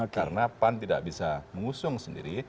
karena pan tidak bisa mengusung sendiri